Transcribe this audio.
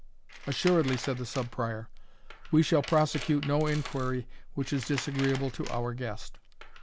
"Assuredly," said the Sub Prior, "we shall prosecute no inquiry which is disagreeable to our guest.